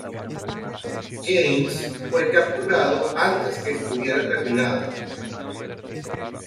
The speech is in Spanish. James fue capturado antes que estuviera terminada.